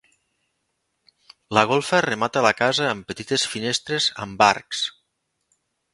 La golfa remata la casa amb petites finestres amb arcs.